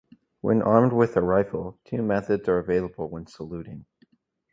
When armed with a rifle, two methods are available when saluting.